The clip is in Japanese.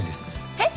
えっ？